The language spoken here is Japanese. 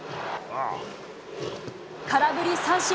空振り三振！